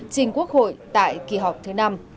trình quốc hội tại kỳ họp thứ năm